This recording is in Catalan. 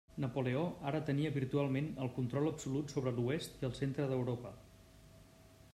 Napoleó ara tenia virtualment el control absolut sobre l'oest i el centre d'Europa.